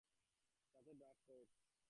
সাথে ড্রাফটউড।